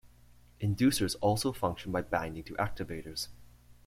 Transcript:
Inducers also function by binding to activators.